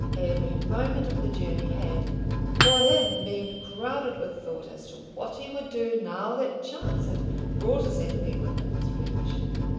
Every moment of the journey had for him been crowded with thought as to what he would do now that chance had brought his enemy within his reach.